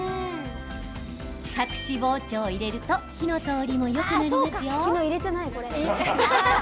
隠し包丁を入れると火の通りもよくなりますよ。